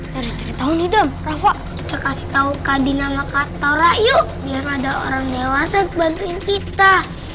dari tahun hidup rafa kasih tahu kadina maka torah yuk biar ada orang dewasa bantuin kita